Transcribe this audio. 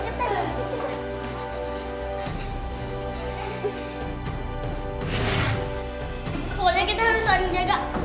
pokoknya kita harus saling jaga